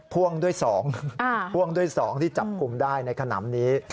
พ่วงด้วยสองที่จับคุมได้ในขนามนี้